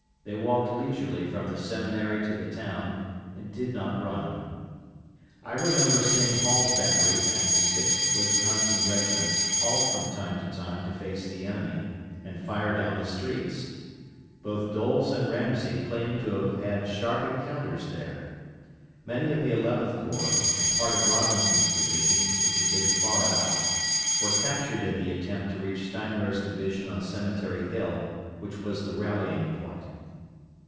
They walked leisurely from the Seminary to the town, and did not run. I remember seeing Hall's battery and the 6th Wisconsin regiment halt from time to time to face the enemy, and fire down the streets. Both Doles and Ramsey claim to have had sharp encounters there. Many of the Eleventh Corps, and part of Robinson's division, which had been far out, were captured in the attempt to reach Steinwehr's division on Cemetery Hill, which was the rallying point.